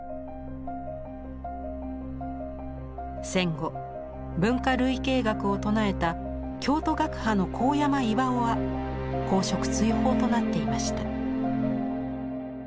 戦後文化類型学を唱えた京都学派の高山岩男は公職追放となっていました。